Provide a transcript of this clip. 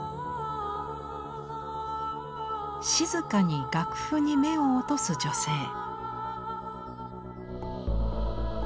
静かに楽譜に目を落とす女性。